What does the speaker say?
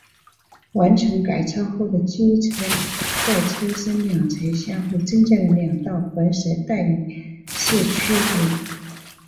完成改造后的机车在车身两侧下部增加了两道白色带以示区别。